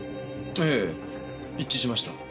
ええ一致しました。